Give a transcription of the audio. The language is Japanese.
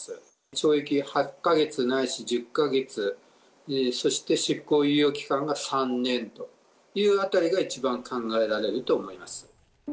懲役８か月ないし１０か月、そして執行猶予期間が３年というあたりが一番考えられると思います。